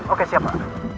oke siap pak